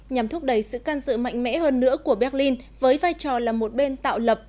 nhằm thúc đẩy sự can dự mạnh mẽ hơn nữa của berlin với vai trò là một bên tạo lập